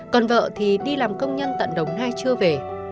còn vợ thì đi làm công nhân tận đồng nai chưa về